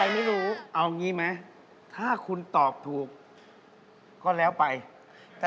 น้องหนูแต่ว่า